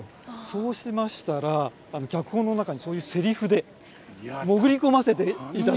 そうしましたら脚本の中にそういうセリフで潜り込ませていただいてですね。